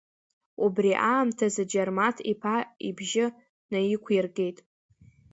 Убри аамҭазы Џьармаҭ иԥа ибжьы наиқәиргеит.